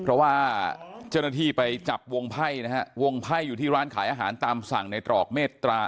เพราะว่าเจ้าหน้าที่ไปจับวงไพ่นะฮะวงไพ่อยู่ที่ร้านขายอาหารตามสั่งในตรอกเมตตา